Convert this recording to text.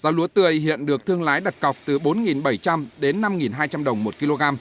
giá lúa tươi hiện được thương lái đặt cọc từ bốn bảy trăm linh đến năm hai trăm linh đồng một kg